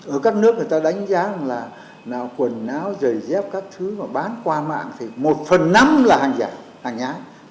ở các nước người ta đánh giá là quần áo giày dép các thứ mà bán qua mạng thì một phần năm là hàng giả hàng nhái